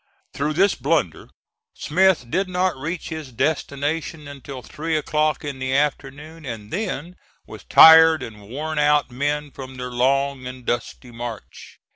Through this blunder Smith did not reach his destination until three o'clock in the afternoon, and then with tired and worn out men from their long and dusty march.